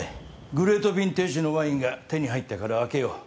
グレートヴィンテージのワインが手に入ったから開けよう。